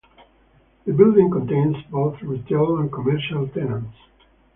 The building contains both retail and commercial tenants.